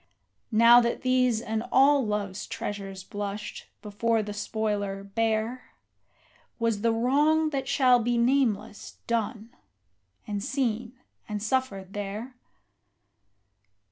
Now that these and all Love's treasures blushed, before the spoiler, bare, Was the wrong that shall be nameless done, and seen, and suffered there?